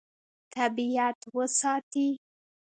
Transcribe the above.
طبیعت وساتي.